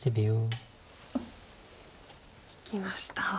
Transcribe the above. いきました。